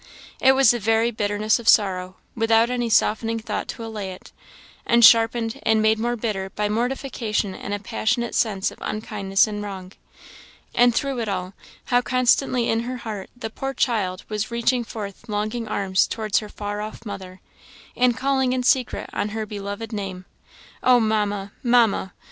It was the very bitterness of sorrow, without any softening thought to allay it, and sharpened and made more bitter by mortification and a passionate sense of unkindness and wrong. And through it all, how constantly in her heart the poor child was reaching forth longing arms towards her far off mother, and calling in secret on her beloved name. "Oh, Mamma! Mamma!"